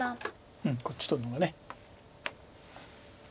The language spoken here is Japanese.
うんこっち取るのがね。